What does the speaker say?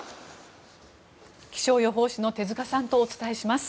気象予報士の手塚さんとお伝えします。